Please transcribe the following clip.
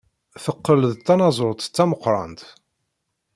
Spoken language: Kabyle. Teqqel d tanaẓurt tameqrant.